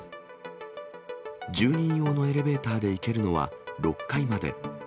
住人用のエレベーターで行けるのは、６階まで。